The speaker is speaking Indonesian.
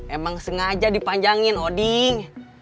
emang sengaja dipanjangin odin